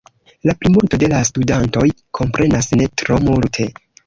La plimulto de la studantoj komprenas ne tro multe.